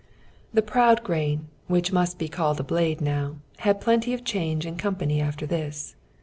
The proud grain, which must be called a blade now, had plenty of change and company after this.